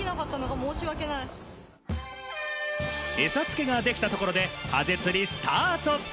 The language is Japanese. エサ付けができたところでハゼ釣りスタート。